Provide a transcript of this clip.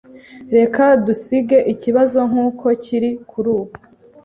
Reka dusige ikibazo nkuko kiri kurubu.